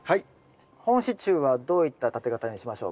本支柱はどういった立て方にしましょうか？